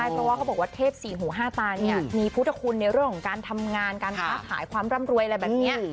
เพราะว่าเขาบอกว่าเทพสี่หูห้าตาเนี่ยมีพุทธคุณในเรื่องของการทำงานการค้าขายความร่ำรวยอะไรแบบนี้